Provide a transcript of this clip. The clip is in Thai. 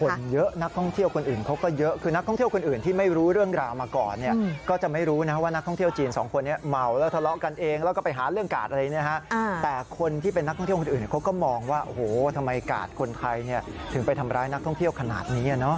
คนเยอะนักท่องเที่ยวคนอื่นเขาก็เยอะคือนักท่องเที่ยวคนอื่นที่ไม่รู้เรื่องราวมาก่อนเนี่ยก็จะไม่รู้นะว่านักท่องเที่ยวจีนสองคนนี้เมาแล้วทะเลาะกันเองแล้วก็ไปหาเรื่องกาดอะไรเนี่ยฮะแต่คนที่เป็นนักท่องเที่ยวคนอื่นเขาก็มองว่าโอ้โหทำไมกาดคนไทยเนี่ยถึงไปทำร้ายนักท่องเที่ยวขนาดนี้